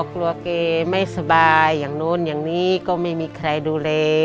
กลัวแกไม่สบายอย่างนู้นอย่างนี้ก็ไม่มีใครดูแล